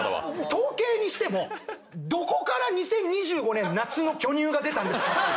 統計にしてもどこから「２０２５年夏の巨乳」が出たんですか